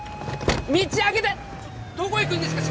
道あけてどこ行くんですか？